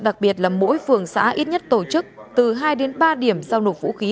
đặc biệt là mỗi phường xã ít nhất tổ chức từ hai đến ba điểm giao nộp vũ khí